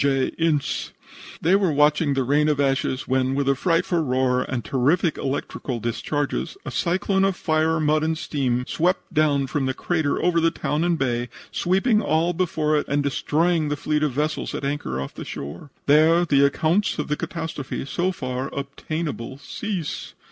J. Ince. They were watching the rain of ashes, when, with a frightful roar and terrific electric discharges, a cyclone of fire, mud and steam swept down from the crater over the town and bay, sweeping all before it and destroying the fleet of vessels at anchor off the shore. There the accounts of the catastrophe so far obtainable cease.